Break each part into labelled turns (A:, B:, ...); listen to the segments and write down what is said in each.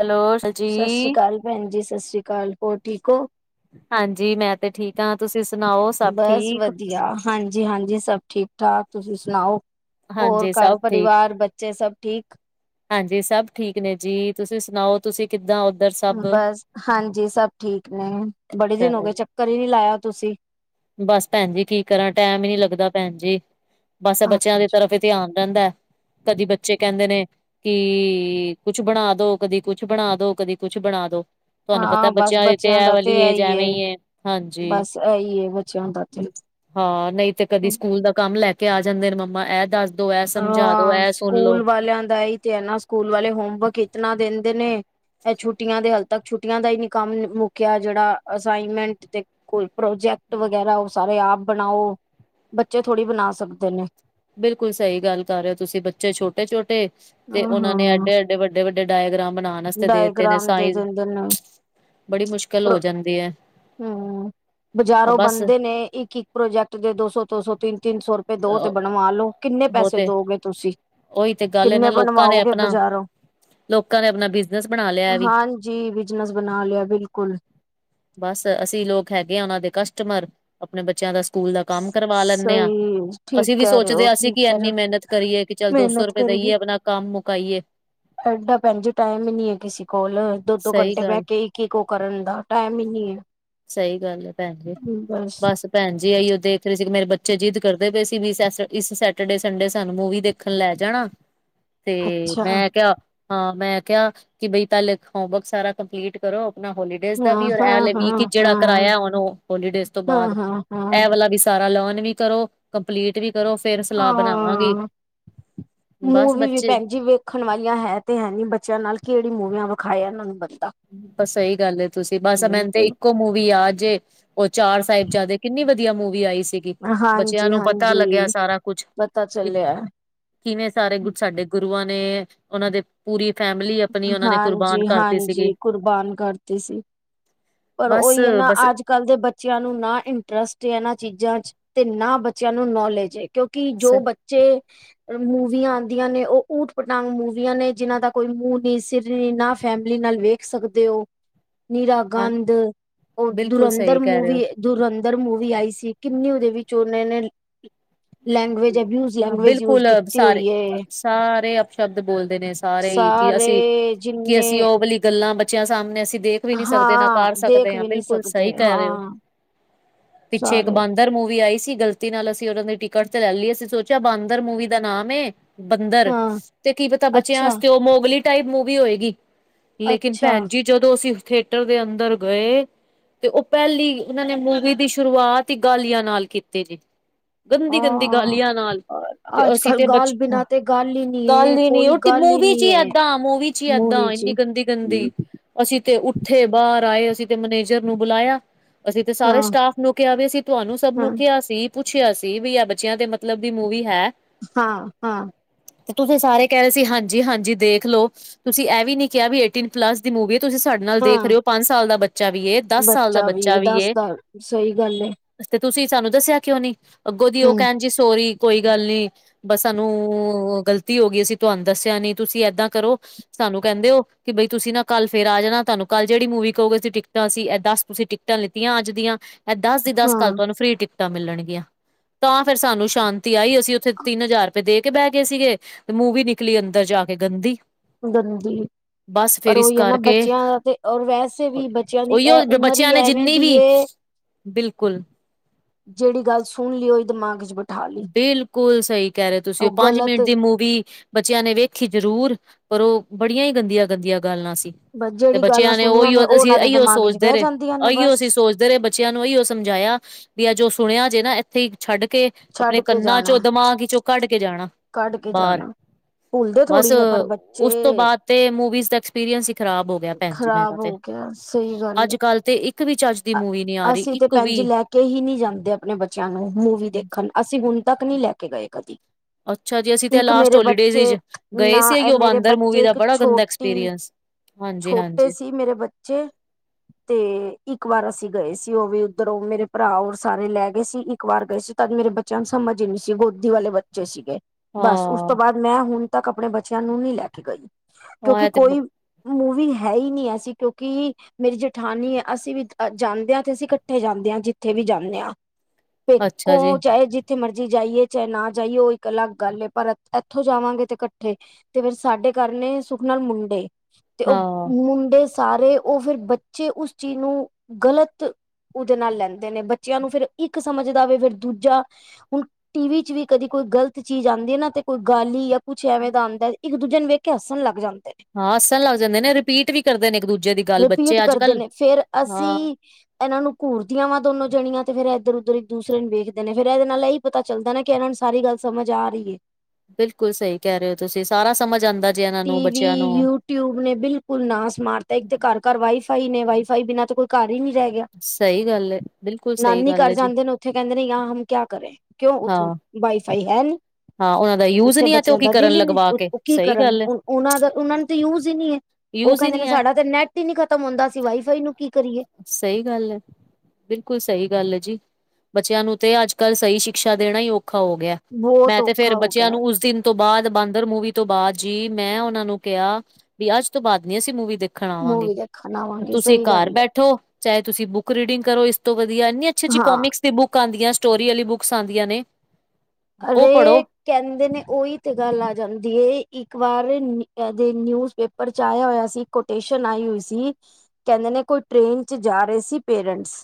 A: Hello ਜੀ
B: ਸਤਿ ਸ਼੍ਰੀ ਅਕਾਲ ਪੈਣ ਜੀ! ਸਤਿ ਸ਼੍ਰੀ ਅਕਾਲ! ਹੋਰ ਠੀਕ ਔ
A: ਹਾਂਜੀ ਮੈਂ ਤੇ ਠੀਕ ਆ ਤੁਸੀਂ ਸੁਣਾਓ ਸਭ
B: ਬਸ
A: ਠੀਕ
B: ਵਧੀਆ ਹਾਂਜੀ, ਹਾਂਜੀ, ਸਭ ਠੀਕ ਠਾਕ ਤੁਸੀਂ ਸੁਣਾਓ ਹੋਰ
A: ਹਾਂਜੀ
B: ਘਰ
A: ਸਭ ਠੀਕ
B: ਪਰਿਵਾਰ ਬੱਚੇ ਸਭ ਠੀਕ
A: ਹਾਂਜੀ, ਸਭ ਠੀਕ ਨੇ ਜੀ ਤੁਸੀਂ ਸੁਣਾਓ ਤੁਸੀਂ ਕਿੱਦਾਂ ਔ
B: ਬਸ ਹਾਂਜੀ! ਸਭ ਠੀਕ ਨੇ ਬੜੇ ਦਿਨ ਹੋ
A: ਚਲੋ
B: ਗਏ ਚੱਕਰ ਹੀ ਨੀ ਲਾਇਆ ਤੁਸੀਂ
A: ਬਸ ਪੈਣ ਜੀ ਕੀ ਕਰਾਂ ਟੈਮ ਹੀ ਨੀ ਲੱਗਦਾ ਪੈਣ ਜੀ ਬਸ ਐ ਬੱਚਿਆਂ ਦੀ ਤਰਫ਼ ਹੀ ਧਿਆਨ ਰਹਿੰਦਾ ਕਦੀ ਬੱਚੇ ਕਹਿੰਦੇ ਨੇ ਕਿ ਕੁਛ ਬਣਾ ਦੋ, ਕਦੀ ਕੁਛ ਬਣਾ ਦੋ, ਕਦੀ ਕੁਛ ਬਣਾ ਦੋ ਤੁਹਾਨੂੰ ਪਤਾ
B: ਹਾਂ ਬਸ
A: ਬੱਚਿਆਂ ਦੀ ਤੇ ਐ
B: ਦਾ
A: ਵਾਲੀ ਏਜ
B: ਇਹੀ
A: ਐਵੇਂ ਈ ਏ ਹਾਂਜੀ
B: ਬਸ ਇਹੀ ਏ ਬੱਚਿਆਂ ਦਾ ਤੇ
A: ਹਾਂ, ਨਹੀਂ ਤੇ ਕਦੀ ਸਕੂਲ ਦਾ ਕੰਮ ਲੈ ਕੇ ਆ ਜਾਂਦੇ ਨੇ ਮੰਮਾ ਇਹ ਦੱਸ ਦੋ ਇਹ ਸਮਝਾ ਦੋ
B: ਹਾਂ
A: ਇਹ ਸੁਣ ਲੋ
B: ਸਕੂਲ ਵਾਲਿਆਂ ਦਾ ਇਹੀ ਤੇ ਹੈ ਨਾ ਸਕੂਲ ਵਾਲੇ ਹੋਮਵਰਕ ਇਤਨਾ ਦੇੰਦੇ ਨੇ ਇਹ ਛੁੱਟੀਆਂ ਦੇ ਹਲੇ ਤੱਕ ਛੁੱਟੀਆਂ ਦਾ ਹੀ ਨੀ ਕੰਮ ਮੁੱਕਿਆ ਜਿਹੜਾ ਅਸਾਈਨਮੈਂਟ ਤੇ ਕੋਈ ਪ੍ਰੋਜੈਕਟ ਵਗੈਰਾ ਉਹ ਸਾਰੇ ਆਪ ਬਣਾਓ ਬੱਚੇ ਥੋੜ੍ਹੀ ਬਣਾ ਸਕਦੇ ਨੇ।
A: ਬਿਲਕੁਲ ਸਹੀ ਗੱਲ ਕਰ ਰਹੇ ਹੋ ਤੁਸੀਂ ਬੱਚੇ ਛੋਟੇ ਛੋਟੇ ਤੇ
B: ਹਾਂ
A: ਉਹਨਾਂ ਨੇ
B: ਹਾਂ
A: ਐਡੇ ਐਡੇ। ਵੱਡੇ ਵੱਡੇ ਡਾਇਗ੍ਰਾਮ ਬਣਾਉਣ।
B: ਡਾਇਗ੍ਰਾਮ ਤੇ ਦਿੰਦੇ ਨੇ।
A: ਬੜੀ ਮੁਸ਼ਕਿਲ ਹੋ ਜਾਂਦੀ ਐ
B: ਹੂੰ ਬਜ਼ਾਰੋਂ
A: ਬਸ
B: ਬਣਦੇ ਨੇ ਇੱਕ ਇੱਕ। ਪ੍ਰੋਜੈਕਟ ਦੇ ਦੋ ਸੌ ਦੋ ਸੌ ਤਿੰਨ ਤਿੰਨ ਸੌ ਰੁਪਏ ਦੋ ਤੇ ਬਣਵਾ ਲੋ ਕਿੰਨੇ
A: ਉਹ
B: ਪੈਸੇ
A: ਤੇ
B: ਦੋਗੇ ਤੁਸੀਂ।
A: ਉਹੀ ਤੇ ਗੱਲ ਹੈ
B: ਕਿੰਨੇ
A: ਨਾ ਲੋਕਾਂ ਨੇ
B: ਬਣਵਾਓਗੇ
A: ਆਪਣਾ,
B: ਬਜ਼ਾਰੋਂ
A: ਲੋਕਾਂ ਨੇ ਆਪਣਾ ਬਿਜ਼
B: ਹਾਂਜੀ! ਬਿਜਨਸ ਬਣਾ ਲਿਆ ਬਿਲਕੁਲ।
A: ਬਸ ਅਸੀਂ ਲੋਕ ਹੈਗੇ ਹਾਂ ਉਹਨਾਂ ਦੇ ਕਸਟਮਰ ਆਪਣੇ ਬੱਚਿਆਂ ਦਾ। ਸਕੂਲ ਦਾ ਕੰਮ ਕਰਵਾ ਲੈਂਦੇ ਹਾਂ
B: ਸਹੀ ਠੀਕ
A: ਅਸੀਂ ਵੀ
B: ਕਹਿ ਰਹੇ
A: ਸੋਚਦੇ
B: ਹੋ
A: ਹਾਂ ਅਸੀਂ
B: ਠੀਕ
A: ਕਿ
B: ਕਹਿ ਰਹੇ
A: ਇੰਨੀ
B: ਹੋ
A: ਮਿਹਨਤ ਕਰੀਏ। ਚੱਲ ਦੋ ਸੌ
B: ਮਿਹਨਤ
A: ਰੁਪਏ
B: ਕਰੀਏ
A: ਦੇਈਏ ਆਪਣਾ ਕੰਮ ਮੁਕਾਈਏ।
B: ਐਡਾ ਭੈਣਜੀ ਟਾਈਮ ਹੀ ਨੀ ਹੈ ਕਿਸੇ ਕੋਲ ਦੋ ਦੋ
A: ਸਹੀ
B: ਘੰਟੇ ਬਹਿ
A: ਗੱਲ
B: ਕੇ ਇੱਕ ਇੱਕੋ ਕਰਨ ਦਾ ਟਾਈਮ ਹੀ ਨੀ ਹੈ।
A: ਸਹੀ ਗੱਲ ਹੈ ਭੈਣ ਜੀ ਬਸ। ਭੈਣਜੀ ਇਹੀਹੋ ਦੇਖ ਰਹੇ ਸੀ ਕਿ ਮੇਰੇ ਬੱਚੇ ਜਿੱਦ ਕਰਦੇ ਪਏ ਸੀ ਵੀ ਇਸ ਸੈਟਰਡੇ ਸੰਡੇ ਸਾਨੂੰ ਮੂਵੀ ਦੇਖ। ਦੇਖਣ ਲੈ ਜਾਣਾ ਤੇ
B: ਅੱਛਾ
A: ਮੈਂ ਕਿਹਾ। ਹਾਂ ਮੈਂ ਕਿਹਾ ਕਿ ਬਈ ਪਹਿਲੇ ਹੋਮਵਰਕ ਸਾਰਾ ਕੰਪਲੀਟ ਕਰੋ ਆਪਣਾ ਹੋਲੀ। ਹੋਲੀਡੇਜ਼ ਦਾ
B: ਹਾਂ
A: ਵੀ ਔਰ ਇਹ
B: ਹਾਂ
A: ਵਾਲੇ
B: ਹਾਂ
A: ਵੀਕ ਵਿੱਚ
B: ਹਾਂ
A: ਜਿਹੜਾ ਕਰਵਾਇਆ ਹੁਣ ਉਹ ਹੋਲੀਡੇਜ਼ ਤੋਂ
B: ਹਾਂ
A: ਬਾਅਦ
B: ਹਾਂ ਹਾਂ
A: ਇਹ ਵਾਲਾ ਵੀ। ਸਾਰਾ ਲਰਨ ਵੀ ਕਰੋ, ਕੰਪਲੀਟ ਵੀ ਕਰੋ, ਫੇਰ ਸਲਾਹ ਬਣਾਵਾਂਗੇ।
B: ਹਾਂ ਮੂਵੀ ਵੀ ਭੈਣਜੀ। ਵੇਖਣ ਵਾਲੀਆਂ ਹੈ ਤੇ ਹੈ ਨੀ ਬੱਚਿਆਂ ਨਾਲ ਕਿਹੜੀ ਮੂਵੀਆਂ ਵਿਖਾਏ ਇਹਨਾਂ ਨੂੰ ਬੰਦਾ।
A: ਬਸ ਸਹੀ ਗੱਲ ਹੈ ਤੁਸੀਂ ਬਸ ਮੈਨੂੰ ਤੇ ਇੱਕੋ ਮੂਵੀ ਯਾਦ ਜੇ। ਉਹ ਚਾਰ ਸਾਹਿਬਜ਼ਾਦੇ ਕਿੰਨੀ ਵਧੀਆ ਮੂਵੀ ਆਈ ਸੀ। ਕਿ ਬੱਚਿਆਂ
B: ਹਾਂਜੀ
A: ਨੂੰ ਪਤਾ ਲੱਗਿਆ
B: ਹਾਂਜੀ
A: ਸਾਰਾ ਕੁਛ।
B: ਪਤਾ ਚੱਲਿਆ
A: ਕਿਵੇਂ ਸਾਰੇ ਸਾਡੇ ਗੁਰੂਆਂ ਨੇ ਉਹਨਾਂ ਦੇ। ਪੂਰੀ ਫੈਮਿਲੀ ਆਪਣੀ ਉਹਨਾਂ ਨੇ ਕੁਰਬਾਨ
B: ਹਾਂਜੀ
A: ਕਰਤੀ ਸੀਗੀ।
B: ਹਾਂਜੀ ਕੁਰਬਾਨ ਕਰਤੀ ਸੀ ਪਰ
A: ਬਸ
B: ਉਹੀ ਹੈ ਨਾ
A: ਬਸ
B: ਅੱਜ। ਅੱਜ ਕੱਲ੍ਹ ਦੇ ਬੱਚਿਆਂ ਨੂੰ ਨਾ ਇੰਟਰਸਟ ਇਹਨਾਂ ਚੀਜ਼ਾਂ 'ਚ ਤੇ ਨਾ ਬੱਚਿਆਂ ਨੂੰ ਨੌਲੇਜ ਹੈ ਕਿਉਂਕਿ
A: ਸ
B: ਜੋ ਬੱਚੇ। ਮੂਵੀਆਂ ਆਦੀਆਂ ਨੇ ਉਹ ਊਟ ਪਟਾਂਗ ਮੂਵੀਆਂ ਨੇ ਜਿਨਾਂ ਦਾ ਕੋਈ ਮੂੰਹ ਨੀ ਸਿਰ ਨੀ ਨਾ ਫੈਮਲੀ ਨਾਲ ਵੇਖ। ਦੇਖ ਸਕਦੇ ਹੋ ਨੀਰਾ
A: ਹਾਂ
B: ਗੰਧ ਉਹ
A: ਬਿਲਕੁਲ
B: ਦੁਰੰਦਰ
A: ਸਹੀ ਕਹਿ ਰਹੇ
B: ਮੂਵੀ। ਦੁਰੰਦਰ ਮੂਵੀ ਆਈ ਸੀ ਕਿੰਨੀ ਉਹਦੇ ਵਿੱਚ ਉਹਨੇ ਨੇ। ਲੈਂਗੁਏਜ ਅਬਿਊਜ
A: ਹਾਂ!
B: ਲੈਂਗੁਏਜ ਯੂਜ
A: ਬਿਲਕੁਲ
B: ਕੀਤੀ
A: ਸਾਰੇ
B: ਹੋਈ ਹੈ
A: ਸਾਰੇ ਅਪਸ਼ਬਦ ਬੋਲਦੇ ਨੇ ਸ ਸਾਰੇ ਹੀ ਕਿ ਅਸੀਂ
B: ਸਾਰੇ
A: ਕਿ
B: ਜਿੰਨੇ
A: ਅਸੀਂ ਉਹ ਵਾਲੀ ਗੱਲਾਂ ਬੱਚਿਆਂ ਸਾਹਮਣੇ ਅਸੀਂ। ਦੇਖ ਵੀ ਨਹੀਂ ਸਕਦੇ ਨਾ
B: ਹਾਂ
A: ਕਰ
B: ਦੇਖ
A: ਸਕਦੇ ਹਾਂ
B: ਵੀ ਨਹੀਂ
A: ਬਿਲਕੁਲ ਸਹੀ
B: ਸਕਦੇ
A: ਕਹਿ ਰਹੇ ਹੋ
B: ਹਾਂ
A: ਪਿੱਛੇ ਇੱਕ
B: ਸਾਰੇ
A: ਬੰਦ ਬਾਂਦਰ ਮੂਵੀ ਆਈ ਸੀ ਗ਼ਲਤੀ ਨਾਲ ਅਸੀਂ ਉਹਨਾਂ ਦੀ ਟਿਕਟ ਤੇ ਲੈ ਲਈ ਅਸੀਂ ਸੋਚਿਆ ਬਾਂਦਰ ਮੂਵੀ ਦਾ ਨਾਮ ਹੈ। ਬੰਦਰ
B: ਹਾਂ
A: ਤੇ ਕੀ ਪਤਾ ਬੱਚਿਆਂ
B: ਅੱਛਾ
A: ਵਾਸਤੇ ਉਹ ਮੋਗਲੀ ਟਾਈਪ ਮੂਵੀ ਹੋਏਗੀ। ਲੇਕਿਨ
B: ਅੱਛਾ।
A: ਭੈਣ ਜੀ ਜਦੋਂ ਅਸੀਂ ਥੀਏਟਰ ਦੇ ਅੰਦਰ ਗਏ। ਤੇ ਉਹ ਪਹਿਲੀ ਉਹਨਾਂ ਨੇ ਮੂਵੀ ਦੀ ਸ਼ੁਰੂਆਤ ਹੀ ਗਾਲੀਆਂ ਨਾਲ ਕੀਤੀ ਜੀ। ਗੰਦੀ ਗੰਦੀ
B: ਹਾਂ।
A: ਗਾਲੀਆਂ ਨਾਲ
B: ਔਰ
A: ਤੇ ਅਸੀਂ
B: ਅੱਜ-ਕੱਲ
A: ਤੇ
B: ਗਾਲ
A: ਬਚ
B: ਬਿਨਾਂ ਤੇ ਗੱਲ ਈ ਨੀ
A: ਗੱਲ
B: ਏ,
A: ਹੀ ਨੀ
B: ਕੋਈ
A: ਉਹ
B: ਗੱਲ ਈ
A: ਮੂਵੀ
B: ਨੀ
A: ਚ ਹੀ
B: ਏ
A: ਏਦਾਂ ਮੂਵੀ ਚ ਹੀ
B: ਮੂਵੀ
A: ਏਦਾਂ
B: ਚ।
A: ਇੰਨੀ ਗੰਦੀ ਗੰਦੀ ਅਸੀਂ ਤੇ ਉੱਠੇ ਬਾਹਰ ਆਏ ਅਸੀਂ ਤੇ ਮੈਨੇਜਰ ਨੂੰ ਬੁਲਾਇਆ। ਅਸੀਂ ਤੇ ਸਾਰੇ
B: ਹਾਂ,
A: ਸਟਾਫ ਨੂੰ ਕਿਹਾ ਵੀ ਸੀਂ ਤੁਹਾਨੂੰ ਸਭ ਨੂੰ
B: ਹਾਂ,
A: ਕਿਹਾ ਸੀ ਪੁੱਛਿਆ ਸੀ। ਤੇ ਵੀ ਆ ਬੱਚਿਆਂ ਤੇ ਮਤਲਬ ਵੀ ਮੂਵੀ ਹੈ।
B: ਹਾਂ ਹਾਂ।
A: ਤੇ ਤੁਸੀਂ ਸਾਰੇ ਕਹਿ ਰਹੇ ਸੀ ਹਾਂਜੀ ਹਾਂਜੀ ਦੇਖ ਲੋੋ ਤੁਸੀਂ ਇਹ ਵੀ ਨੀ ਕਿਹਾ ਵੀ ਏਟੀਨ ਪਲੱਸ ਦੀ ਮੂਵੀ ਤੁਸੀਂ ਸਾਡੇ ਨਾਲ ਦੇਖ
B: ਹਾਂ।
A: ਰਹੇ ਹੋ ਪੰਜ ਸਾਲ ਦਾ ਬੱਚਾ ਵੀ ਏ ਦਸ ਸਾਲ ਦਾ ਬੱਚਾ ਵੀ ਏ।
B: ਸਹੀ ਗੱਲ ਏ।
A: ਤੇ ਤੁਸੀਂ ਸਾਨੂੰ ਦੱਸਿਆ ਕਿਉਂ ਨੀ ਅੱਗੋਂ ਦੀ ਉਹ
B: ਹੂੰ,
A: ਕਹਿਣ ਜੀ ਸੋਰੀ। ਕੋਈ ਗੱਲ ਨੀ ਬਸ ਸਾਨੂੰ ਗ਼ਲਤੀ ਹੋ ਗਈ ਅਸੀਂ ਤੁਹਾਨੂੰ ਦੱਸਿਆ ਨੀ ਤੁਸੀਂ ਏਦਾਂ ਕਰੋ। ਸਾਨੂੰ ਕਹਿੰਦੇ ਹੋ ਕਿ ਬਈ ਤੁਸੀਂ ਨਾ ਕੱਲ ਫੇਰ ਆ ਜਾਣਾ ਤੁਹਾਨੂੰ ਕੱਲ ਜਿਹੜੀ ਮੂਵੀ ਕਹੋਗੇ ਅਸੀਂ ਟਿਕਟਾਂ ਸੀ ਇਹ ਦੱਸ ਤੁਸੀਂ ਟਿਕ ਟਾਂ ਲਿੱਤੀਆਂ ਅੱਜ ਦੀਆਂ ਏਹ ਦਸ ਦੀ ਦਸ ਕੱਲ
B: ਹਾਂ
A: ਤੁਹਾਨੂੰ ਫ੍ਰਰੀ ਟਿਕਟਾਂ ਮਿਲਣਗੀਆਂ। ਤਾਂ ਫਿਰ ਸਾਨੂੰ ਸ਼ਾਂਤੀ ਆਈ ਅਸੀਂ ਉੱਥੇ ਤਿੰਨ ਹਜ਼ਾਰ ਰੁਪਏ ਦੇ ਕੇ ਬਹਿ ਗਏ ਸੀਗੇ। ਤੇ ਮੂਵੀ ਨਿਕਲੀ ਅੰਦਰ ਜਾ ਕੇ ਗੰਦੀ।
B: ਗੰਦੀ
A: ਬਸ ਫੇਰ
B: ਪਰ
A: ਇਸ
B: ਉਹੀ ਹੈ ਨਾ
A: ਕਰਕੇ
B: ਬੱਚਿਆਂ ਦਾ ਤੇ ਔਰ ਵੈਸੇ ਵੀ ਬੱਚਿਆਂ ਦੀ ਇਹ
A: ਉਹੀਓ
B: ਉਮਰ
A: ਬੱਚਿਆਂ
B: ਹੀ
A: ਨੇ
B: ਐਵੇਂ
A: ਜਿੰਨੀ
B: ਦੀ
A: ਵੀ
B: ਏਹ
A: ਬਿਲਕੁਲ।
B: ਜਿਹੜੀ ਗੱਲ ਸੁਣ ਲਿਓ ਦਿਮਾਗ ਚ ਬਿ
A: ਬਿਲਕੁਲ ਸਹੀ ਕਹਿ ਰਹੇ ਤੁਸੀਂ ਉਹ ਪੰਜ ਮਿੰਟ ਦੀ ਮੂਵੀ ਬੱਚਿਆਂ ਨੇ ਵੇਖੀ ਜ਼ਰੂਰ ਪਰ ਉਹ ਬੜੀਆਂ ਹੀ ਗੰਦੀਆਂ ਗੰਦੀਆਂ ਗਾਲਾਂ ਸੀ।
B: ਬਸ
A: ਤੇ
B: ਜੇੜੀ ਗੱਲਾਂ
A: ਬੱਚਿਆਂ ਨੇ
B: ਸੁਣੀਆਂ
A: ਉਹੀਓ
B: ਉਹ
A: ਤੇ ਅਸੀਂ
B: ਉਹਨਾਂ ਦੇ
A: ਇਹੀਓ
B: ਦਿਮਾਗ ਚ
A: ਸੋਚਦੇ
B: ਬਹਿ
A: ਰਹੇ
B: ਜਾਂਦੀਆਂ ਨੇ
A: ਅਹੀਓ
B: ਬਸ।
A: ਅਸੀਂ ਸੋਚ ਇਧਰੇ ਬੱਚਿਆਂ ਨੂੰ ਹੀ ਉਹ ਸਮਝਾਇਆ ਵੀ ਅ ਜੋ ਸੁਣਿਆ ਜੇ ਨਾ ਇੱਥੇ ਹੀ ਛੱਡ ਕੇ ਆਪਣੇ
B: ਛੱਡ ਕੇ
A: ਕੰਨਾਂ ਚੋਂ
B: ਜਾਣਾ,
A: ਦਿਮਾਗ ਚੋਂ ਕੱਢ ਕੇ ਜਾਣਾ।
B: ਕੱਢ ਕੇ
A: ਬਾਹਰ
B: ਜਾਣਾ। ਭੁੱਲਦੇ ਥੋੜ੍ਹੀ
A: ਬਸ
B: ਨੇ ਪਰ
A: ਉਸ ਤੋਂ
B: ਬੱਚੇ
A: ਬਾਅਦ ਤੇ ਮੂਵੀਜ਼ ਪੀਰੀਅਂਸ ਹੀ ਖਰਾਬ ਹੋ ਗਿਆ ਭੈਣ ਜੀ ਮੇਰਾ
B: ਖ਼ਰਾਬ
A: ਤੇ
B: ਹੋ ਗਿਆ
A: ਅੱਜ ਕੱਲ ਤੇ ਇੱਕ ਵੀ ਚੱਜ ਦੀ
B: ਅ
A: ਮੂਵੀ ਨੀ ਆ ਰਹੀ
B: ਅਸੀਂ ਤੇ
A: ਇੱਕ ਵੀ
B: ਪੈਂਜੀ ਲੈ ਕੇ ਹੀ ਨਹੀਂ ਜਾਂਦੇ ਆਪਣੇ ਬੱਚਿਆਂ ਨੂੰ ਮੂਵੀ ਦੇਖਣ। ਅਸੀਂ ਹੁਣ ਤੱਕ ਨਹੀ ਲੈ ਕੇ ਗਏ ਕਦੀ।
A: ਅੱਛਾ ਜੀ ਅਸੀਂ ਤੇ
B: ਇੱਕ
A: ਲਾਸਟ
B: ਮੇਰੇ
A: ਹੋਲੀਡੇਜ਼ ਵਿੱਚ
B: ਬੱਚੇ
A: ਗਏ
B: ਨਾ
A: ਸੀ
B: ਏਹ
A: ਅਈਓ
B: ਮੇਰੇ
A: ਬਾਂਦਰ ਮੂਵੀ
B: ਬੱਚੇ
A: ਦਾ
B: ਇੱਕ
A: ਬੜਾ ਗੰਦਾ
B: ਛੋਟੀ
A: ਐਕਸਪੀਰੀਅੰਸ।
B: ਛੋਟੇ
A: ਹਾਂਜੀ-ਹਾਂਜੀ
B: ਸੀ ਮੇਰੇ ਬੱਚੇ ਤੇ ਇੱਕ ਵਾਰ ਅਸੀਂ ਗਏ ਸੀ ਉਹ ਵੀ ਉੱਧਰ ਉਹ ਮੇਰੇ ਭਰਾ ਓਰ ਸਾਰੇ ਲੈ ਗਏ ਸੀ ਇੱਕ ਵਾਰ ਗਏ ਸੀ। ਤਦ ਮੇਰੇ ਬੱਚਿਆਂ ਨੂੰ ਸਮਝ ਹੀ ਨਹੀਂ ਸੀ ਗੋਦੀ ਵਾਲੇ ਬੱਚੇ ਸੀਗੇ। ਬਸ ਉਸ ਤੋਂ
A: ਹਾਂ
B: ਬਾਅਦ ਮੈਂ ਹੁਣ ਤੱਕ ਆਪਣੇ ਬੱਚਿਆਂ ਨੂੰ ਨਹੀਂ ਲੈ ਕੇ ਗਈ
A: ਉਹ
B: ਕਿਉਂਕਿ
A: ਇਹ ਤੇ
B: ਕੋਈ ਮੂਵੀ ਹੈ ਈ ਨਹੀ ਐਸੀਂ ਕਿਉਂਕਿ ਮੇਰੀ ਜੇਠਾਨੀ ਏ ਅਸੀਂ ਵੀ ਜਾਂਦੇ ਆਂ ਤੇ ਅਸੀਂ ਇਕੱਠੇ ਜਾਂਦੇ ਹਾਂ ਜਿੱਥੇ ਵੀ ਜਾਂਦੇ ਹਾਂ। ਦੇਖੋ
A: ਅੱਛਾ ਜੀ
B: ਚਾਹੇ ਜਿੱ ਥੇ ਮਰਜ਼ੀ ਜਾਈਏ ਚਾਹੇ ਨਾ ਜਾਈਏ ਉਹ ਇੱਕ ਅਲੱਗ ਗੱਲ ਹੈ ਪਰ ਇੱਥੋਂ ਜਾਵਾਂਗੇ ਤੇ ਇਕੱਠੇ ਤੇ ਫਿਰ ਸਾਡੇ ਘਰ ਨੇ ਸੁਖ ਨਾਲ ਮੁੰਡੇ ਤੇ ਉਹ
A: ਹਾਂ।
B: ਮੁੰਡੇ ਸਾਰੇ ਉਹ ਫਿਰ ਬੱਚੇ ਉਸ ਚੀਜ਼ ਨੂੰ ਗਲਤ ਉਹਦੇ ਨਾਲ ਲੈਂਦੇ ਨੇ ਬੱਚਿਆਂ ਨੂੰ ਫਿਰ ਇੱਕ ਸਮਝਦਾਵੇ ਫਿਰ ਦੂਜਾ ਹੁ ਟੀ-ਵੀ ਚ ਵੀ ਕਦੇ ਕੋਈ ਗ਼ਲਤ ਚੀਜ਼ ਆਂਦੀ ਹੈ ਨਾ ਤੇ ਕੋਈ ਗਾਲੀ ਜਾਂ ਕੁਛ ਐਵੇਂ ਦਾ ਆਂਦਾ ਏ ਇੱਕ ਦੂਜੇ ਨੂੰ ਵੇਖ ਕੇ ਹੱਸਣ ਲਗ ਜਾਂਦੇ ਨੇ।
A: ਹਾਂ ਹੱਸਣ ਲੱਗ ਜਾਂਦੇ ਨੇ ਰਿਪੀਟ ਵੀ ਕਰਦੇ ਨੇ ਇੱਕ ਦੂਜੇ ਦੀ ਗੱਲ
B: ਰਿਪੀਟ
A: ਬੱਚੇ
B: ਕਰਦੇ
A: ਅੱਜ-ਕੱਲ
B: ਨੇ ਫਿਰ
A: ਹਾਂ।
B: ਅਸੀਂ ਇਹਨਾਂ ਨੂੰ ਘੂਰਦੀਆਂ ਵਾ ਦੋਨੋ ਜਣੀਆਂ ਤੇ ਫਿਰ ਇੱਧਰ ਉੱਧਰ ਇੱਕ ਦੂਸਰੇ ਨੂੰ ਵੇਖਦੇ ਨੇ ਫਿਰ ਇਹਦੇ ਨਾਲ ਏਹੀ ਪਤਾ ਚੱਲਦਾ ਨਾ ਕਿ ਇਹਨਾਂ ਨੂੰ ਸਾਰੀ ਗੱਲ ਸਮਝ ਆ ਰਹੀ ਹੈ।
A: ਬਿਲਕੁਲ ਸਹੀ ਕਹਿ ਰਹੇ ਹੋ ਤੁਸੀਂ ਸਾਰਾ ਸਮਝ ਆਂਦਾ ਏ ਜੀ ਇਹਨਾਂ ਨੂੰ ਬੱਚਿਆਂ ਨੂੰ।
B: ਟਿਊਬ ਨੇ ਬਿਲਕੁਲ ਨਾਸ ਮਾਰਤਾ ਇੱਕ ਤੇ ਘਰ-ਘਰ ਵਾਈਫਾਈ ਨੇ ਵਾਈਫਾਈ ਬਿਨਾਂ ਤਾਂ ਕੋਈ ਘਰ ਹੀ ਨਹੀਂ ਰੇ।
A: ਸਹੀ ਗੱਲ ਏ। ਬਿਲਕੁਲ
B: [inaudible]
A: ਸਹੀ
B: ਨਾਨੀ
A: ਗੱਲ
B: ਘਰ
A: ਹੈ ਜੀ
B: ਜਾਂਦੇ ਨੇ ਉੱਥੇ ਕਹਿੰਦੇ ਨੇ ਯਹਾਂ ਹਮ ਕਿਆ ਕਰੇ ਕਿਉਂ ਉੱਥੇ
A: ਹਾਂ।
B: ਵਾਈਫਾਈ ਹੈ ਨੀ
A: ਹਾਂ ਉਹਨਾਂ ਦਾ ਯੂਜ
B: ਉੱਥੇ
A: ਨੀ ਹੈ ਤੇ
B: ਬੱਚਿਆਂ
A: ਉਹ ਕੀ
B: ਦਾ
A: ਕਰਨ
B: ਦਿਲ ਈ ਨੀ
A: ਲਗਵਾ ਕੇ
B: ਉਹ-ਉਹ ਕੀ
A: ਸਹੀ
B: ਕਰਨ।
A: ਗੱਲ ਏ
B: ਉਹਨਾਂ ਦਾ ਉਹਨਾਂ ਨੂੰ ਤਾਂ ਯੂਜ ਹੀ ਨਹੀਂ ਐ। ਉਹ
A: ਯੂਜ ਹੀ
B: ਕਹਿੰਦੇ ਨੇ
A: ਨੀ ਹੈ।
B: ਸਾਡਾ ਤੇ ਨੈੱਟ ਹੀ ਨਹੀਂ ਖਤਮ ਹੁੰਦਾ ਸੀ ਵਾਈਫਾਈ ਨੂੰ ਕੀ ਕਰੀਏ।
A: ਸਹੀ ਗੱਲ ਹੈ। ਬਿਲਕੁਲ ਸਹੀ ਗੱਲ ਹੈ ਜੀ, ਬੱਚਿਆਂ ਨੂੰ ਤੇ ਅੱਜ ਕੱਲ੍ਹ ਸਹੀ ਸ਼ਿਕਸ਼ਾ ਦੇਣਾ ਹੀ ਔਖਾ ਹੋ ਗਿਆ।
B: ਬਹੁਤ
A: ਮੈਂ ਤੇ ਫੇਰ
B: ਔਖਾ ਹੋ
A: ਬੱਚਿਆਂ
B: ਗਿਆ
A: ਨੂੰ ਉਸ ਦਿਨ ਤੋਂ ਬਾਅਦ ਬਾਂਦਰ ਮੂਵੀ ਤੋਂ ਬਾਅਦ ਜੀ ਮੈਂ ਉਹਨਾਂ ਨੂੰ ਕਿਹਾ, ਵੀ ਅੱਜ ਤੋਂ ਬਾਅਦ ਨੀ ਅਸੀਂ ਮੂਵੀ ਦੇਖ ਰਖਣ ਆਵਾਂਗੇ।
B: ਮੂਵੀ ਦੇਖਣ ਆਵਾਂਗੇ
A: ਤੁਸੀਂ
B: ਸਹੀ
A: ਘਰ
B: ਗੱਲ ਹੈ
A: ਬੈਠੋ। ਚਾਹੇ ਤੁਸੀਂ ਬੁੱਕ ਰੀਡਿੰਗ ਕਰੋ ਇਸ ਤੋਂ ਵਧੀਆ, ਇਨੀ ਅੱਛੀ -ਅੱਛੀ
B: ਹਾਂ
A: ਕੋਮਿਕਸ ਦੀ ਬੁੱਕ ਆਂਦੀ ਸਟੋਰੀ ਬੁੱਕਸ ਆਂਦੀਆਂ ਨੇ। ਉਹ
B: ਆਰੇ।
A: ਪੜ੍ਹੋ
B: ਕਹਿੰਦੇ ਨੇ ਉਹੀ ਤੇ ਗੱਲ ਆ ਜਾਂਦੀ ਇੱਕ ਵਾਰ ਨਿਊਜ਼ ਪੇਪਰ ਪਰਚਾਇਆ ਹੋਇਆ ਸੀ, ਕੋਟੇਸ਼ਨ ਆਈ ਹੋਈ ਸੀ। ਕਹਿੰਦੇ ਨੇ ਕੋਈ ਟ੍ਰੇਨ ਚ' ਜਾ ਰਹੇ ਸੀ ਪੇਰੈਂਟਸ।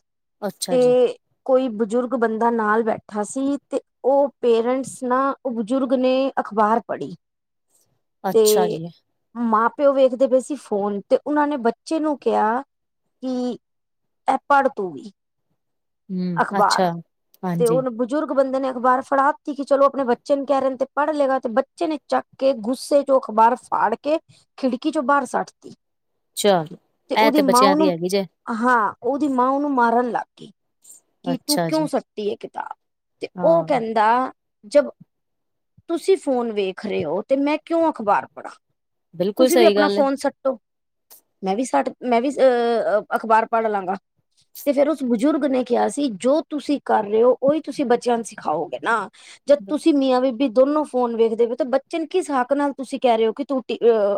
A: ਅੱਛਾ
B: ਤੇ
A: ਜੀ
B: ਕੋਈ ਬਜ਼ੁਰਗ ਬੰਦਾ ਨਾਲ ਬੈਠਾ ਸੀ ਤੇ ਉਹ ਪੇਰੈਂਟਸ ਨਾ, ਬਜ਼ੁਰਗ ਨੇ ਅਖ਼ਬਾਰ ਪੜ੍ਹੀ
A: ਅੱਛਾ
B: ਤੇ
A: ਜੀ
B: ਮਾਂ- ਪਿਓ ਵੇਖਦੇ ਪਏ ਸੀ ਫੋਨ ਤੇ ਉਹਨਾਂ ਨੇ ਬੱਚੇ ਨੂੰ ਕਿਹਾ, ਕਿ ਇਹ ਪੜ੍ਹ ਤੂੰ ਵੀ
A: ਹਮ
B: ਅਖਬਾਰ।
A: ਅੱਛਾ
B: ਤੇ
A: ਹਾਂਜੀ
B: ਉਹਨੂੰ ਬਜ਼ੁਰਗ ਬੰਦੇ ਨੇ ਅਖਬਾਰ ਫੜਾ ਦਿੱਤੀ ਕਿ ਚਲੋ ਆਪਣੇ ਬੱਚੇ ਨੂੰ ਕਹਿ ਰਹੇਣ ਤੇ ਪੜ੍ਹ ਲਏਗਾ ਤੇ ਬੱਚੇ ਨੇ ਚੱਕ ਕੇ ਗੁੱਸੇ ਚੋਂ ਅਖ਼ਬਾਰ ਫਾੜ ਕੇ ਖਿੜਕੀ ਚੋਂ ਬਾਹਰ ਸੱਟ
A: ਚਲੋ
B: ਤੇ
A: ਇਹ
B: ਉਹਦੀ ਮਾਂ
A: ਬੱਚਿਆਂ ਦੀ
B: ਉਹਨੂੰ
A: ਹੈਗੀ ਜੇ
B: ਹਾਂ, ਉਹਦੀ ਮਾਂ ਉਹਨੂੰ ਮਾਰਨ ਲੱਗ ਗਈ। ਕਿ ਤੂੰ
A: ਅੱਛਾ ਜੀ
B: ਕਿਉਂ ਸੱਤੀ ਕਿਤਾਬ, ਤੇ ਉਹ
A: ਹਾਂ
B: ਕਹਿੰਦਾ ਜਬ ਤੁਸੀਂ ਫੋਨ ਵੇਖ ਰਹੇ ਹੋ ਤੇ ਮੈਂ ਕਿਉਂ ਅਖ਼ਬਾਰ ਪੜ੍ਹਾਂ।
A: ਬਿਲਕੁਲ
B: ਤੁਸੀਂ ਵੀ
A: ਸਹੀ
B: ਆਪਣਾ
A: ਗੱਲ
B: ਫੋਨ
A: ਹੈ
B: ਸੱਟੋ। ਮੈਂ ਵੀ ਸੱਟ ਮੈਂ ਵੀ ਅਹ ਅਖ਼ਬਾਰ ਪੜ੍ਹ ਲਾਂਗਾ। ਤੇ ਫੇਰ ਉਸ ਬਜ਼ੁਰਗ ਨੇ ਕਿਹਾ ਸੀ ਜੋ ਤੁਸੀਂ ਕਰ ਰਹੇ ਹੋ ਉਹੀ ਤੁਸੀਂ ਬੱਚਿਆਂ ਨੂੰ ਸਿਖਾਓਗੇ ਨਾ। ਜ ਤੁਸੀਂ ਮੀਆਂ- ਬੀਬੀ ਦੋਨੋ ਫੋਨ ਵੇਖਦੇ ਬੱਚੇ ਨੂੰ ਕੀ ਸਾਬ ਨਾਲ ਤੁਸੀਂ ਕਹਿ ਰਹੇ ਹੋ ਕਿ ਤੂੰ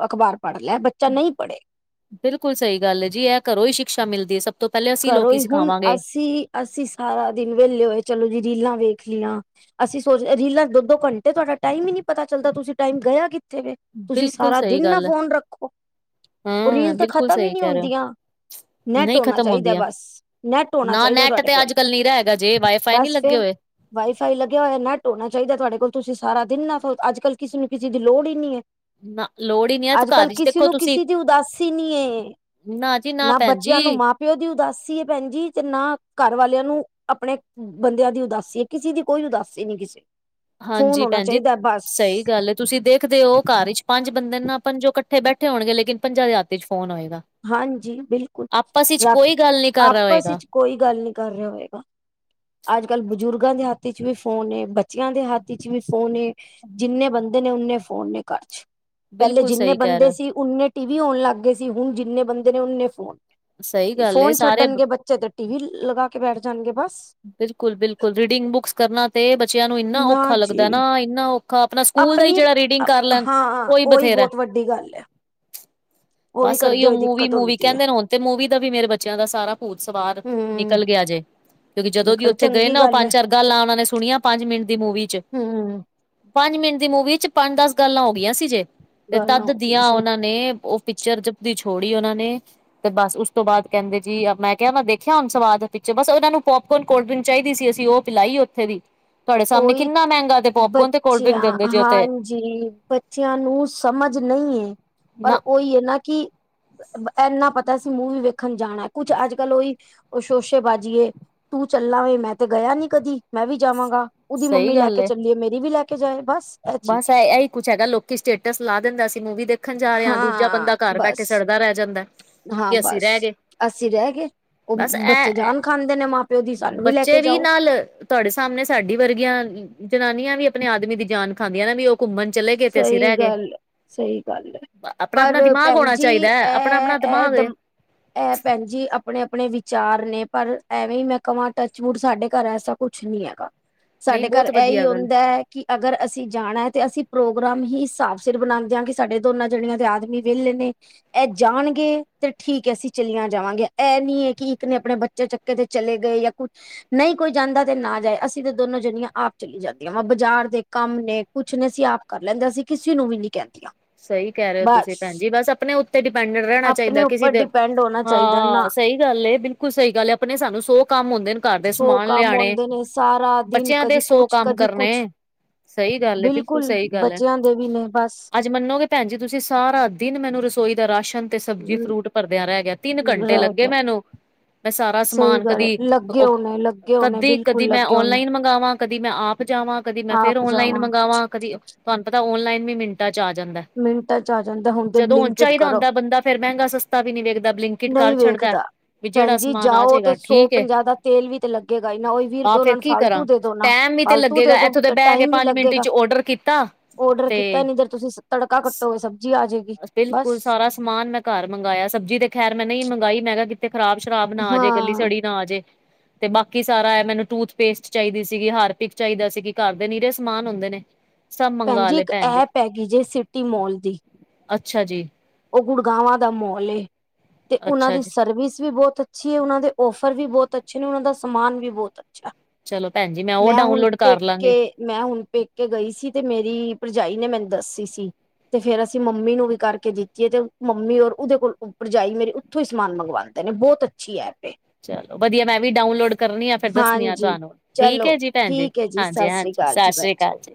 B: ਅਖ਼ਬਾਰ ਪੜ੍ਹ ਲੈ ਬੱਚਾ ਨਹੀਂ ਪੜ੍ਹੇ
A: ਬਿਲਕੁਲ ਸਹੀ ਗੱਲ ਹੈ ਜੀ ਇਹ ਘਰੋਂ ਹੀ ਸ਼ਿਕਸ਼ਾ ਮਿਲਦੀ ਹੈ ਸਭ। ਤੋਂ ਪਹਿਲੇ ਅਸੀਂ ਲੋਕ
B: ਕਰੋ ਹੀ ਹੁਣ
A: ਸਿਖਾਵਾਂਗੇ।
B: ਅਸੀਂ ਅਸੀਂ ਸਾਰਾ ਦਿਨ ਵਿਹਲੇ ਹੋਏ ਚਲੋ ਜੀ ਰੀਲਾਂ ਵੇਖ ਲਈਆਂ। ਅਸੀਂ ਸੋਚ ਰੀਲਾਂ ਦੋ- ਦੋ ਘੰਟੇ ਤੁਹਾਡਾ ਟਾਈਮ ਹੀ ਨੀ ਪਤਾ ਚੱਲਦਾ ਤੁਸੀਂ ਟਾਈਮ ਗਿਆ ਕਿ ਐਥੇ ਤੁਸੀਂ
A: ਬਿਲਕੁਲ
B: ਸਾਰਾ
A: ਸਹੀ
B: ਦਿਨ ਨਾ
A: ਗੱਲ ਹੈ,
B: ਫੋਨ ਰੱਖੋ। ਉਹ
A: ਹਾਂ
B: ਰੀਲ ਤਾਂ
A: ਬਿਲਕੁਲ
B: ਖਤਮ ਹੀ
A: ਸਹੀ
B: ਨਹੀਂ
A: ਕਹਿ ਰਹੇ ਹੋ,
B: ਹੁੰਦੀਆਂ। ਨੈਟ
A: ਨਹੀਂ
B: ਹੋਨਾਂ
A: ਖ਼ਤਮ
B: ਚਾਹੀਦਾ
A: ਹੁੰਦੀਆਂ।
B: ਬਸ, ਨੈਟ ਹੋਣਾ
A: ਨਾ
B: ਚਾਹੀਦਾ
A: ਨੈਟ
B: ਤੁਹਾਡੇ
A: ਤੇ
B: ਕੋਲ।
A: ਅੱਜ-ਕੱਲ ਨੀ ਰਾ ਹੈਗਾ ਜੇ, ਵਾਈਫਾਈ ਨੀ
B: ਬਸ
A: ਲੱਗੇ
B: ਫੇਰ
A: ਹੋਏ।
B: ਵਾਈਫਾਈ ਲੱਗਿਆ ਹੋਇਆ ਨੈੱਟ ਹੋਣਾ ਚਾਹੀਦਾ ਤੁਹਾਡੇ ਕੋਲ ਤੁਸੀਂ ਸਾਰਾ ਦਿਨ ਨਾ ਅੱਜ ਕੱਲ੍ਹ ਕਿਸੇ ਨੂੰ ਕਿਸੇ ਦੀ ਲੋੜ ਹੀ ਨੀ ਹੈ।
A: ਨਾ ਲੋੜ ਹੀ ਨੀ ਹੈ, ਤੇ
B: ਅੱਜ
A: ਘਰ
B: ਕੱਲ੍ਹ
A: ਵਿੱਚ
B: ਕਿਸੇ
A: ਦੇਖੋ
B: ਨੂੰ
A: ਤੁਸੀਂ
B: ਕਿਸੇ ਦੀ ਉਦਾਸੀ ਨਹੀਂ।
A: ਨਾ ਜੀ ਨਾ ਭੈਣ
B: ਬੱਚਿਆਂ ਨੂੰ
A: ਜੀ।
B: ਮਾਂ ਪਿਓ ਦੀ ਉਦਾਸੀ ਹੈ ਭੈਣ ਜੀ ਨਾ ਘਰ ਵਾਲਿਆਂ ਨੂੰ ਆਪਣੇ ਬੰਦਿਆਂ ਦੀ ਉਦਾਸੀ ਹੈ ਕਿਸੇ ਦੀ ਕੋਈ ਉਦਾਸੀ ਨਹੀਂ ਕਿਸੇ ਨੂੰ, ਫੋਨ
A: ਹਾਂਜੀ
B: ਹੋਣਾ
A: ਭੈਣ ਜੀ।
B: ਚਾਹੀਦਾ ਬਸ।
A: ਸਹੀ ਗੱਲ ਹੈ, ਤੁਸੀਂ ਦੇਖਦੇ ਹੋ ਘਰ ਚ' ਪੰਜ ਬੰਦੇ ਨਾ ਪੰਜੋਂ ਇਕੱਠੇ ਬੈਠੇ ਹੋਣਗੇ ਲੇਕਿਨ ਪੰਜਾਂ ਦੇ ਰਾਤੀ ਚ' ਫੋਨ ਹੋਏਗਾ।
B: ਹਾਂਜੀ ਬਿਲਕੁਲ,
A: ਆਪਸ ਵਿੱਚ
B: ਰ
A: ਕੋਈ ਗੱਲ ਨੀ ਕਰ ਰਿਹਾ
B: ਆਪਸ
A: ਹੋਏਗਾ,
B: ਵਿੱਚ ਕੋਈ ਗੱਲ ਨੀ ਕਰ ਰਿਹਾ ਹੋਏਗਾ। ਅੱਜ ਕੱਲ੍ਹ ਬਜ਼ੁਰਗਾਂ ਦੇ ਹੱਥੀ ਚ' ਵੀ ਫੋਨ ਬੱਚਿਆਂ ਦੇ ਹੱਥੀ ਚ' ਵੀ ਫੋਨ। ਜਿੰਨੇ ਬੰਦੇ ਨੇ ਓਨੇ ਫੋਨ ਨੇ ਘਰ ਚ'। ਪਹਿਲੇ
A: ਬਿਲਕੁਲ
B: ਜਿੰਨੇ
A: ਸਹੀ ਕਹਿ ਰਹੇ
B: ਬੰਦੇ
A: ਹੋ।
B: ਸੀ ਓਨੇ ਟੀ ਵੀ ਆਉਣ ਲੱਗ ਗਏ ਸੀ ਹੁਣ ਜਿੰਨੇ ਬੰਦੇ ਨੇ ਓਨੇ ਫੋਨ।
A: ਸਹੀ ਗੱਲ ਏ,
B: ਫੋਨ
A: ਸਾਰੇ
B: ਛੱਡਣਗੇ ਬੱਚੇ ਤੇ ਟੀ ਵੀ ਲਗਾ ਕੇ ਬੈਠ ਜਾਣਗੇ ਬਸ।
A: ਬਿਲਕੁਲ- ਬਿਲਕੁਲ, ਰੀਡਿੰਗ ਬੁੱਕਸ ਕਰਨਾ ਤੇ ਬੱਚਿਆਂ ਨੂੰ ਇੰਨਾ
B: ਨਾ
A: ਔਖਾ ਲੱਗਦਾ
B: ਜੀ
A: ਨਾ ਇੰਨਾ ਔਖਾ। ਕਾ ਆਪਣਾ ਸਕੂਲ ਹੀ
B: ਆਪਣੀ
A: ਜਿਹੜਾ ਰੀਡਿੰਗ ਕਰ ਲੈਣ।
B: ਹਾਂ, ਉਹੀ ਬਹੁਤ ਵੱਡੀ ਗੱਲ ਹੈ। ਉਹ ਵੀ
A: ਬਸ
B: ਕਰਦੇ
A: ਉਹੀਹੋ
B: ਹੋਏ
A: ਮੂਵੀ
B: ਦਿੱਕਤ
A: -ਮੂਵੀ
B: ਹੁੰਦੀ ਹੈ
A: ਕਹਿੰਦੇ ਨੇ ਹੁਣ ਤੇ ਮੂਵੀ ਦਾ ਵੀ ਮੇਰੇ ਬੱਚਿਆਂ ਦਾ ਸਾਰਾ ਭੂਤ- ਸਵਾਰ ਨਿਕਲ
B: ਹਮ
A: ਗਿਆ ਜੇ। ਕਿਉਂਕਿ ਜਦੋਂ ਵੀ
B: ਨਿਕਲ
A: ਉੱਥੇ ਗਏ
B: ਚੰਗੀ
A: ਨਾ ਉਹ
B: ਗੱਲ ਹੈ
A: ਪੰਜ- ਚਾਰ ਗੱਲਾਂ ਉਹਨਾਂ ਨੇ ਸੁਣੀਆਂ ਪੰਜ ਮਿੰਟ ਦੀ ਮੂਵੀ ਚੇ।
B: ਹਮ
A: ਪੰਜ ਮਿੰਟ ਦੀ ਮੂਵੀ 'ਚ ਪੰਜ -ਦਸ ਗੱਲਾਂ ਹੋ ਗਈਆਂ ਸੀ ਜੇ ਤੇ
B: ਗੱਲ
A: ਤਦ
B: ਹੋ ਗਈ
A: ਦੀਆਂ
B: ਸੀ
A: ਉਹਨਾਂ ਨੇ ਪਿਕਚਰ ਜਦੀ ਛੋੜੀ ਉਹਨਾਂ ਨੇ ਤੇ ਬਸ ਉਸ ਤੋਂ ਬਾਅਦ ਕਹਿੰਦੇ ਜੀ ਮੈਂ ਕਿਹਾ ਮੈਂ ਦੇਖਿਆ ਹੁਣ ਸਵਾਦ ਪਿੱਛੋਂ ਬਸ ਉਹਨਾਂ ਨੂੰ ਪੋਪਕੋਨ, ਕੋਲਡ ਡਰਿੰਕ, ਚਾਹੀਦੀ ਸੀ ਅਸੀਂ ਉਹ ਪਲਾਈ ਉੱਥੇ ਦੀ ਤੁਹਾਡੇ ਸਾਹਮਣੇ
B: ਉਹੀ
A: ਕਿੰਨਾ ਮਹਿੰਗਾ ਤੇ ਪੋਪਕਰਨ ਤੇ ਕੋਲਡਰਿੰਕ ਦਿੰਦੇ ਜੇ ਉੱਥੇ
B: ਜੀ ਬੱਚਿਆਂ ਨੂੰ ਸਮਝ ਨਹੀਂ ਏ
A: ਨਾ
B: ਪਰ ਉਹੀ ਹੈ ਨਾ ਕਿ ਇੰਨਾ ਪਤਾ ਅਸੀਂ ਮੂਵੀ ਵੇਖਣ ਜਾਣਾ ਕੁਛ ਅੱਜ- ਕੱਲ ਉਹੀ ਉਹ ਸ਼ੋਸ਼ੇਬਾਜ਼ੀਏ। ਤੂੰ ਚੱਲਾ ਵੇ ਮੈਂ ਤੇ ਗਿਆ ਨੀ ਕਦੀ ਮੈਂ ਵੀ ਜਾਵਾਂਗਾ। ਉਹਦੀ
A: ਸਹੀ
B: ਮੰਮੀ ਲੈ
A: ਗੱਲ
B: ਕੇ
A: ਏ
B: ਚੱਲੀ, ਮੇਰੀ ਵੀ ਲੈ ਕੇ ਜਾਏ ਬਸ। ਇਹ
A: ਬਸ
B: ਚੀਜ਼
A: ਇਹੀ ਕੁਛ ਹੈਗਾ, ਲੋਕੀ ਸਟੇਟਸ ਲਾ ਦਿੰਦਾ ਅਸੀਂ ਮੂਵੀ ਦੇਖਣ ਜਾ ਰਿਹਾ ਦੂਜਾ
B: ਹਾਂ
A: ਬੰਦਾ ਘਰ ਬੈਠੇ
B: ਬਸ
A: ਸੜਦਾ ਰਹਿ ਜਾਂਦਾ ਐ।
B: ਹਾਂ! ਬਸ। ਅਸੀਂ ਰਹਿ ਗਏ ਉਹ
A: ਬਸ
B: ਬੱਚੇ
A: ਇਹ
B: ਜਾਨ ਖਾਂਦੇ ਨੇ ਮਾਂ- ਪਿਓ ਦੀ ਸਾਨੂੰ ਵੀ ਲੈ ਕੇ ਜਾਓ।
A: ਨਾਲ ਤੁਹਾਡੇ ਸਾਹਮਣੇ ਸਾਡੀ ਵਰਗੀਆਂ ਜਨਾਨੀਆਂ ਵੀ ਆਪਣੇ ਆਦਮੀ ਦੀ ਜਾਨ ਖਾਂਦੀਆਂ ਨੇ ਵੀ ਉਹ ਘੁੰਮਣ ਚਲੇ ਗਏ ਤੇ, ਅਸੀਂ ਰਹਿ
B: ਸਹੀ
A: ਗਏ।
B: ਗੱਲ ਹੈ, ਸਹੀ ਗੱਲ ਹੈ,
A: ਆਪਣਾ-ਆਪਣਾ
B: ਪਰ
A: ਦਿਮਾਗ
B: ਭੈਣ
A: ਹੋਣਾ
B: ਜੀ
A: ਚਾਹੀਦਾ ਹੈ
B: ਇਹ
A: ਆਪਣਾ-ਆਪਣਾ
B: ਇਹ
A: ਦਿਮਾਗ ਏ
B: ਦਮ ਇਹ ਭੈਣ ਜੀ ਆਪਣੇ ਆਪਣੇ ਵਿਚਾਰ ਨੇ ਪਰ ਐਵੇਂ ਹੀ ਮੈਂ ਕਹਾਂ ਟੱਚ ਮੂਡ ਸਾਡੇ ਘਰ ਐ ਸਭ ਕੁਝ ਨਹੀਂ ਹੈਗਾ
A: ਨਹੀਂ
B: ਸਾਡੇ ਘਰ
A: ਬਹੁਤ
B: ਇਹੀ
A: ਵਧੀਆ ਗੱਲ।
B: ਹੁੰਦਾ ਹੈ ਕਿ ਅਗਰ ਅਸੀਂ ਜਾਣਾ ਹੈ ਤੇ ਅਸੀਂ ਪ੍ਰੋਗਰਾਮ ਹੀ ਹਿਸਾਬ ਸਿਰ ਬਣਾਉਂਦਿਆਂ ਕਿ ਸਾਡੇ ਦੋਨਾਂ ਜਣਿਆਂ ਦੇ ਆਦਮੀ ਵਿਹਲੇ ਨੇ ਇਹ ਜਾਣਗੇ ਤੇ ਠੀਕ ਹੈ ਅਸੀਂ ਚਲੀਆਂ ਜਾਵਾਂਗੀਆਂ ਇਹ ਨੀ ਹੈ ਕਿ ਇੱਕ ਨੇ ਆਪਣੇ ਬੱਚੇ ਚਕੇ ਚੱਕੇ ਤੇ ਚਲੇ ਗਏ ਜਾਂ ਕੁਝ ਨਹੀਂ ਕੋਈ ਜਾਂਦਾ ਤੇ ਨਾ ਜਾਏ ਅਸੀਂ ਤਾਂ ਦੋਨੋ ਜਣੀਆਂ ਆਪ ਚਲੀ ਜਾਂਦੀਆਂ ਵਾ ਬਾਜ਼ਾਰ ਦੇ ਕੰਮ ਨੇ ਕੁਝ ਨੇ ਅਸੀਂ ਆਪ ਕਰ ਲੈਂਦੇ ਅਸੀ ਕਿਸੇ ਨੂੰ ਵੀ ਨਹੀਂ ਕਹਿੰਦੀਆਂ।
A: ਸਹੀ ਕਹਿ ਰਹੇ ਹੋ ਤੁਸੀਂ
B: ਬਸ
A: ਭੈਣਜੀ ਬਸ ਆਪਣੇ ਉੱਤੇ ਡਿਪੈਂਡਟ ਰਹਿਣਾ
B: ਆਪਣੇ
A: ਚਾਹੀਦਾ ਕਿਸੇ
B: ਉੱਪਰ
A: ਦੇ
B: ਡਿਪੈਂਡ ਹੋਣਾ ਚਾਹੀਦਾ ਨਾ।
A: ਹਾਂ ਸਹੀ ਗੱਲ ਏ ਬਿਲਕੁਲ ਸਹੀ ਗੱਲ ਹੈ ਆਪਣੇ ਸਾਨੂੰ ਸੌ ਕੰਮ ਹੁੰਦੇ ਨੇ। ਘਰ ਦੇ
B: ਸੌ
A: ਸਮਾਨ
B: ਕੰਮ
A: ਲਿਆਣੇ
B: ਆਉਂਦੇ ਨੇ ਸਾਰਾ ਦਿਨ
A: ਬੱਚਿਆਂ ਦੇ
B: ਕਦੀ
A: ਸੌ
B: ਕੁਛ
A: ਕੰਮ
B: ਕਦੀ
A: ਕਰਨੇ।
B: ਕੁਛ
A: ਸਹੀ ਗੱਲ ਐ, ਬਿਲਕੁਲ ਸਹੀ ਗੱਲ ਹੈ।
B: ਬੱਚਿਆਂ ਦੇ ਵੀ ਨੇ ਬਸ।
A: ਅੱਜ ਮੰਨੋਗੇ ਭੈਣ ਜੀ ਤੁਸੀਂ ਸਾਰਾ ਦਿਨ ਮੈਨੂੰ ਰਸੋਈ ਦਾ ਰਾਸ਼ਨ ਤੇ ਸਬਜ਼ੀ ਫਰੂਟ ਭਰਦਿਆਂ ਰਹਿ ਗਿਆ। ਤਿੰਨ ਘੰਟੇ
B: ਰਹਿ
A: ਲੱਗੇ
B: ਗਿਆ
A: ਮੈਨੂੰ। ਮੈਂ ਸਾਰਾ
B: ਸਹੀ
A: ਸਮਾਨ
B: ਗੱਲ ਲੱਗੇ ਹੋਣੇ ਲੱਗੇ ਹੋਣੇ
A: ਕਦੀ-ਕਦੀ- ਕਦੀ
B: ਬਿਲਕੁਲ
A: ਮੈਂ
B: ਲੱਗੇ ਹੋਣੇ
A: ਓਨਲਾਈਨ ਮੰਗਵਾਂ ਕਦੀ ਮੈਂ ਆਪ ਜਾਵਾਂ ਕਦੀ ਮੈਂ ਫੇਰ
B: ਆਪ
A: ਔਨਲਾਈਨ
B: ਜਾਵਾਂ
A: ਮੰਗਵਾਂ ਕਦੀ ਤੁਹਾਨੂੰ ਪਤਾ ਔਨਲਾਈਨ ਵੀ ਮਿੰਟ ਮਿੰਟਾਂ 'ਚ ਆ ਜਾਂਦਾ ਹੈ।
B: ਮਿੰਟਾਂ ਚ ਆ ਜਾਂਦਾ ਤੇ
A: ਜਦੋਂ ਹੁਣ
B: ਬਲਿੰਕਟ
A: ਚਾਹੀਦਾ
B: ਕਰੋ
A: ਹੁੰਦਾ ਬੰਦਾ ਫੇਰ ਮਹਿੰਗਾ- ਸਸਤਾ ਵੀ ਨਹੀਂ ਵੇਖਦਾ ਬਲਿੰਕਿਟ ਕਰ ਛੱਡਦਾ। ਵੀ ਜਿਹੜਾ
B: ਭੈਣਜੀ
A: ਸਮਾਨ ਆ
B: ਜਾਓ
A: ਜਾਏਗਾ
B: ਤੇ ਸੌ
A: ਠੀਕ ਏ
B: ਪੰਜਾਹ ਦਾ ਤੇਲ ਵੀ ਤੇ ਲੱਗੇਗਾ ਹੀ ਨਾ ਉਹ ਵੀਹ ਰੁਪਏ
A: ਆਹ
B: ਉਹਨਾ
A: ਫੇਰ
B: ਨੂੰ
A: ਕੀ
B: ਫਾਲਤੂ
A: ਕਰਾਂ
B: ਦੇ ਦੋ ਨਾ
A: ਟੈਮ ਵੀ ਤੇ
B: ਫਾਲਤੂ ਦੇ
A: ਲੱਗੇਗਾ
B: ਦੋ
A: ਇੱਥੋਂ
B: ਤੇ
A: ਬਹਿ ਕੇ
B: ਟਾਈਮ ਵੀ
A: ਪੰਜ ਮਿੰਟ
B: ਲੱਗੇਗਾ
A: ਚ ਔਡਰ ਕੀਤਾ
B: ਔਡਰ ਕੀਤਾ ਨੀ ਤੇ। ਤੁਸੀਂ ਤੜਕਾ ਕੱਟੋਗੇ ਸਬਜ਼ੀ ਆ ਜਾਏਗੀ। ਬਸ
A: ਬਿਲਕੁਲ! ਸਾਰਾ ਸਮਾਨ ਮੈਂ ਘਰ ਮੰਗਾਇਆ ਸਬਜ਼ੀ ਤੇ ਖ਼ੈਰ ਮੈਂ ਨਹੀਂ ਮੰਗਵਾਈ ਮੈਂ ਕਿਹਾ ਕਿਤੇ ਖਰਾਬ- ਸ਼ਰਾਬ ਨਾ ਆ ਜੇ ਗਲੀ-
B: ਹਾਂ
A: ਸੜੀ ਨਾ ਆ ਜੇ। ਤੇ ਬਾਕੀ ਸਾਰਾ ਇਹ ਮੈਨੂੰ ਟੂਥਪੇਸਟ ਚਾਹੀਦੀ ਸੀਗੀ ਹਾਰਪਿਕ ਚਾਹੀਦਾ ਸੀ ਕਿ ਘਰ ਦੇ ਨੀਰੇ ਸਮਾਨ ਹੁੰਦੇ ਨੇ। ਸੱਬ ਮੰਗਾ ਲੇ ਪੈਨ ਜੀ।
B: ਗੀਜੇ ਸਿਟੀ ਮੋਲ ਦੀ।
A: ਅੱਛਾ ਜੀ।
B: ਓ ਗੁੜਗਾਵਾਂ ਦਾ ਮੋਲ ਏ, ਤੇ ਓਨਾ
A: ਅੱਛਾ
B: ਦੀ
A: ਜੀ।
B: ਸਰਵਿਸ ਵੀ ਬੋਤ ਅੱਛੀ ਏ ਉਨਾ ਦੇ ਔਫਰ ਵੀ ਬੋਤ ਅੱਛੇ ਨੇ ਉਨਾ ਦਾ ਸਮਾਨ ਵੀ ਬੋਤ ਅੱਛੈ।
A: ਚਲੋ ਭੈਣ ਜੀ ਉਹ
B: ਮੈਂ ਹੁਨ
A: ਡਾਊਨਲੋਡ ਕਰ ਲਾਂਗੀ,
B: ਪੇਕੇ ਮੈਂ ਹੁਨ ਪੇਕੇ ਗਈ ਸੀ ਤੇ ਮੇਰੀ ਪਰਜਾਈ ਨੇ ਮੈਨੂੰ ਦਸੀ ਸੀ ਤੇ ਫੇਰ ਅਸੀ ਮੰਮੀ ਨੂੰ ਵੀ ਕਾਰਕੇ ਦਿ ਤੀ ਏ ਮੰਮੀ ਔਰ ਉਦੇ ਕੋਲ ਪਰਜਾਈ ਮੇਰੀ ਉਥੋਂ ਈ ਸਮਾਨ ਮੰਗਵਾਂਦੇ ਨੇ ਬੋਤ ਅੱਛੀ ਐਪ ਏ।
A: ਚਲੋ ਵਦੀਐ ਮੈਂ ਵੀ ਡਾਊਨਲੋਡ ਕਰਨੀ ਆ ਫੇਰ ਦੱਸਨੀ ਆ
B: ਹਾਂਜੀ
A: ਤੁਆਨੂੰ। ਠੀਕ
B: ਚਲੋ
A: ਏ ਜੀ ਪੈਨ ਜੀ,
B: ਠੀਕ ਹੈ ਸਤਿ ਸ੍ਰੀ
A: ਹਾਂਜੀ-ਹਾਂਜੀ
B: ਅਕਾਲ ਜੀ ਭੈਣ
A: ਸਾਸ੍ਰੀ ਕਾਲ ਜੀ।